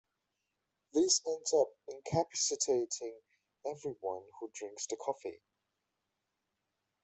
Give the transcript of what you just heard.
This ends up incapacitating everyone who drinks the coffee.